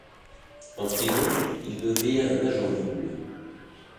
En prison, il devient un agent double.